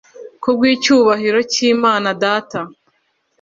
kubw icyubahiro cy imana data